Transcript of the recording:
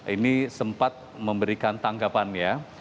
ini sempat memberikan tanggapan ya